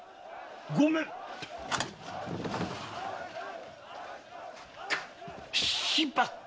御免！しまった！